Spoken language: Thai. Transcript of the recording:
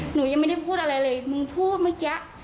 หนูยังไม่ได้พูดอะไรเลยมึงพูดเมื่อกี้